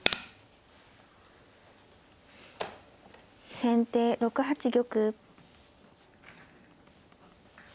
先手６八玉。